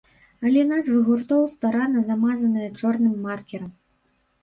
Але назвы гуртоў старанна замазаныя чорным маркерам!